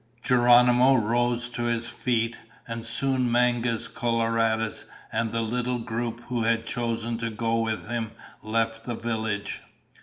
Geronimo rose to his feet and soon Mangus Coloradus and the little group who had chosen to go with him left the village.